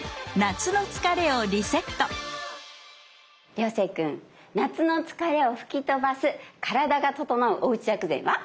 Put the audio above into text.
涼星君夏の疲れを吹き飛ばす体がととのうおうち薬膳は？